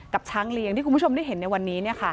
ช้างเลี้ยงที่คุณผู้ชมได้เห็นในวันนี้